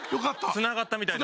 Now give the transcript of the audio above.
つながったみたいだ。